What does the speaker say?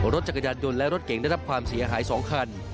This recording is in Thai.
รถจักรยานยนต์และรถเก่งได้รับความเสียหาย๒คัน